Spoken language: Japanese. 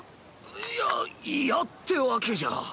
いや嫌ってわけじゃ。